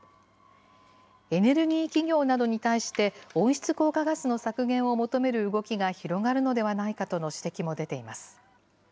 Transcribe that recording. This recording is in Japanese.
エネルギー企業などに対して、温室効果ガスの削減を求める動きが広がるのではないかとの指摘も出ています。